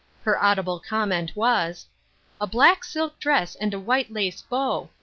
Her audible comment was : ''A black silk dress and a white lace bow !